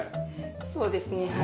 そうですねはい。